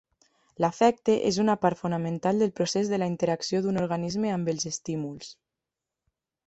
L'afecte és una part fonamental del procés de la interacció d'un organisme amb els estímuls.